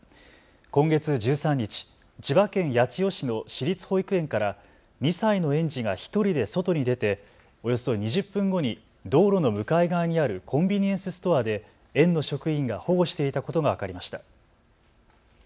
今月１３日、千葉県八千代市の私立保育園から２歳の園児が１人で外に出て、およそ２０分後に道路の向かい側にあるコンビニエンスストアで園の職員が保護していたことが分かりました。